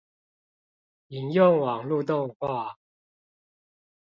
引用網路動畫